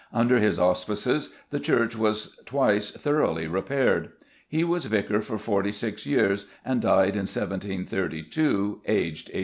Under his auspices the church was twice thoroughly repaired. He was vicar for forty six years and died in 1732, aged 86."